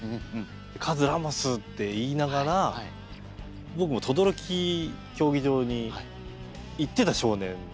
カズラモスって言いながら僕も等々力競技場に行ってた少年。